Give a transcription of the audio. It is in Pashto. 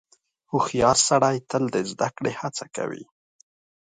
• هوښیار سړی تل د زدهکړې هڅه کوي.